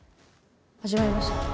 「始まりましたね」